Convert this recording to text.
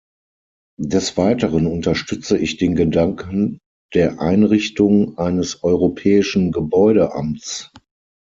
Des Weiteren unterstütze ich den Gedanken der Einrichtung eines europäischen Gebäudeamts.